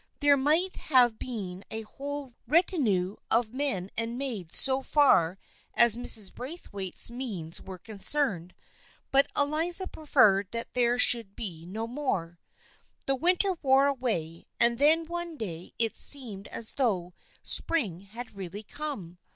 There might have been a whole retinue of men and maids so far as Mrs. Braithwaite's means were concerned, but Eliza preferred that there should be no more. The winter wore away, and then one day it seemed as though spring had really come.